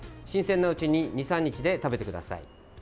新鮮なうちに２３日で食べてください。